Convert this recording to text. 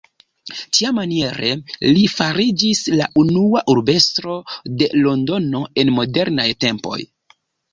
Tiamaniere li fariĝis la unua urbestro de Londono en modernaj tempoj.